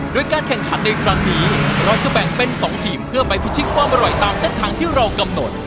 โดยการแข่งขันในครั้งนี้เราจะแบ่งเป็น๒ทีมเพื่อไปพิชิตความอร่อยตามเส้นทางที่เรากำหนด